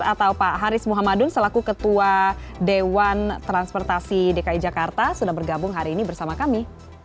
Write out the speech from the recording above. atau pak haris muhammadun selaku ketua dewan transportasi dki jakarta sudah bergabung hari ini bersama kami